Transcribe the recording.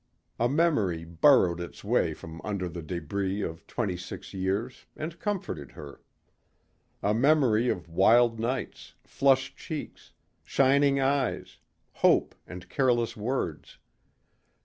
A memory burrowed its way from under the débris of twenty six years and confronted her. A memory of wild nights, flushed cheeks, shining eyes, hope and careless words.